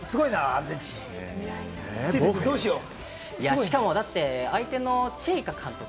アルゼンチン、どうしよう。